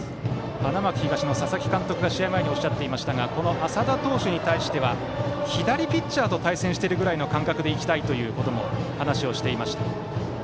花巻東の佐々木監督が試合前におっしゃっていましたが淺田投手に対しては左ピッチャーと対戦しているくらいの感覚でいきたいと話していました。